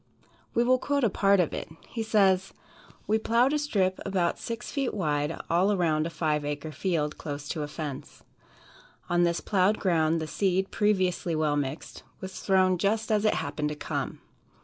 We will quote a part of it. He says: "We plowed a strip about six feet wide all around a five acre field, close to the fence. On this plowed ground, the seed, previously well mixed, was thrown just as it happened to come.